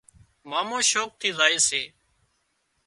مامو شوق ٿي زائي سي